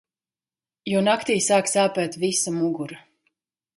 Jo naktī sāk sāpēt visa mugura.